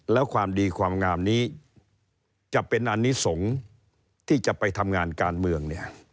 แล้วความดีความงามนี้จะเป็นอันนี้สงฆ์ที่จะไปทำงานการเมืองเนี่ย